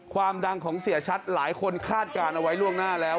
ความดังของเสียชัดหลายคนคาดการณ์เอาไว้ล่วงหน้าแล้ว